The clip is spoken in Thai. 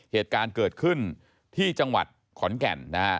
เหตุการณ์เกิดขึ้นที่จังหวัดขอนแก่นนะฮะ